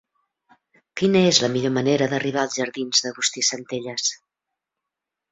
Quina és la millor manera d'arribar als jardins d'Agustí Centelles?